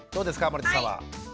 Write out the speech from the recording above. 森田さんは。